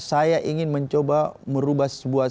saya ingin mencoba merubah sebuah